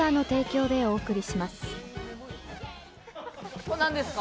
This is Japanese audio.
ここ、何ですか？